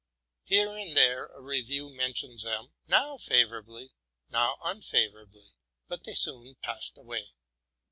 Here and there a review mentions them, now favorably, now unfavorably ; but they soon passed away.